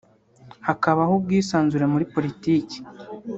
hakabaho ubwisanzure muri politiki